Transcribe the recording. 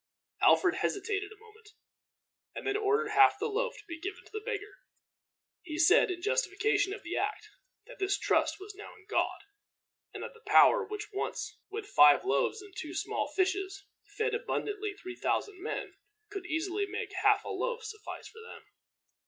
Alfred hesitated a moment, and then ordered half the loaf to be given to the beggar. He said, in justification of the act, that his trust was now in God, and that the power which once, with five loaves and two small fishes, fed abundantly three thousand men, could easily make half a loaf suffice for them.